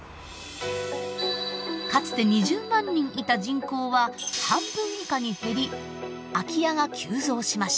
かつて２０万人いた人口は半分以下に減り空き家が急増しました。